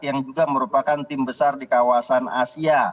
yang juga merupakan tim besar di kawasan asia